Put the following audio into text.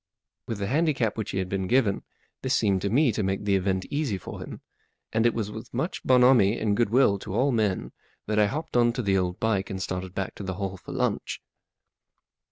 With the handicap which he had been given, this seemed to me to make the event easy for him, and it was with much bonhomie and goodwill to all men that I hopped on to the old bike and started back to the Hall for lunch.